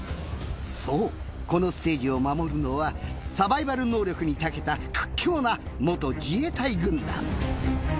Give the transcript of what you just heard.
そうこのステージを守るのはサバイバル能力に長けた屈強な自衛隊軍団。